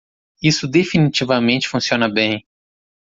Isso definitivamente funciona bem.